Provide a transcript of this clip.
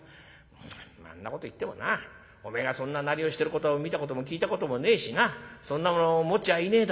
んなこと言ってもなおめえがそんななりをしてること見たことも聞いたこともねえしなそんなもの持っちゃいねえだろ？」。